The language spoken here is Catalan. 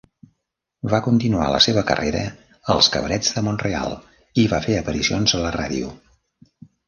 Va continuar la seva carrera als cabarets de Mont-real i va fer aparicions a la ràdio.